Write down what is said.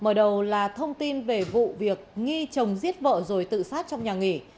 mở đầu là thông tin về vụ việc nghi chồng giết vợ rồi tự sát trong nhà nghỉ